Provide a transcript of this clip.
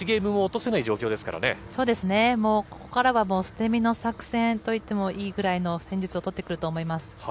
そうですね、もうここからは、もう捨て身の作戦と言ってもいいぐらいの戦術を取ってくると思います。